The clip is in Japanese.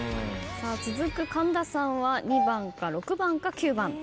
続く神田さんは２番か６番か９番。